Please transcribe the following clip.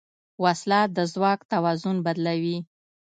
وسله د ځواک توازن بدلوي